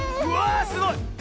うわすごい！